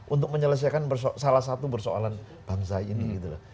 untuk menyelesaikan salah satu persoalan bangsa ini gitu loh